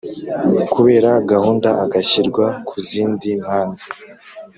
Kubera gahunda agashyirwa ku zindi mpande